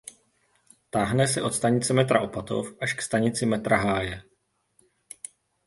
Táhne se od stanice metra Opatov až k stanici metra Háje.